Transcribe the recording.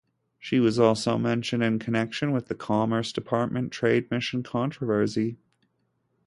She was also mentioned in connection with the Commerce Department trade mission controversy.